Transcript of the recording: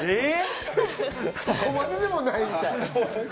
そこまででもないみたい。